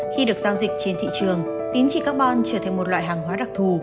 khi được giao dịch trên thị trường tín trị carbon trở thành một loại hàng hóa đặc thù